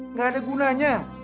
nggak ada gunanya